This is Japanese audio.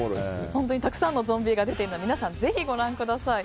本当にたくさんのゾンビ映画が出ているので皆さんぜひご覧ください。